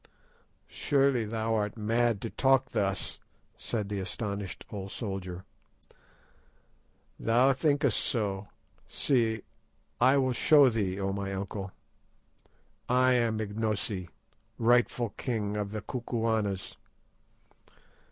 "Surely thou art mad to talk thus," said the astonished old soldier. "Thou thinkest so; see, I will show thee, O my uncle. "_I am Ignosi, rightful king of the Kukuanas!